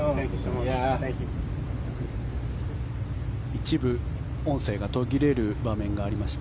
一部、音声が途切れる場面がありました。